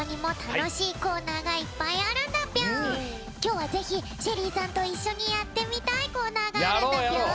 きょうはぜひＳＨＥＬＬＹさんといっしょにやってみたいコーナーがあるんだぴょん！